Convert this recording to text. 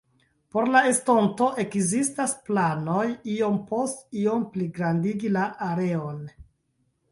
Por la estonto ekzistas planoj iom post iom pligrandigi la areon.